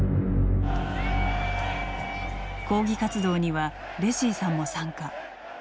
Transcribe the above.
抗議活動にはレシィさんも参加。